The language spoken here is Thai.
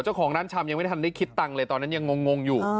เจ้าของร้านชำยังไม่ทันได้คิดตังค์เลยตอนนั้นยังงงอยู่